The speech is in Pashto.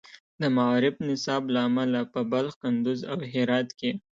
د معارف نصاب له امله په بلخ، کندز، او هرات کې